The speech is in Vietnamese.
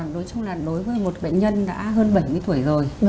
nói chung là đối với một bệnh nhân đã hơn bảy mươi tuổi rồi